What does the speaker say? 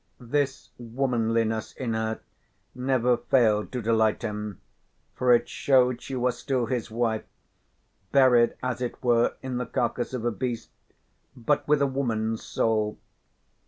This womanliness in her never failed to delight him, for it showed she was still his wife, buried as it were in the carcase of a beast but with a woman's soul.